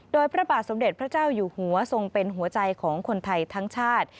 โดยพระบาทสมเด็จพระเจ้าอยู่หัวทรงเป็นหัวใจของคนไทยทั้งชาติ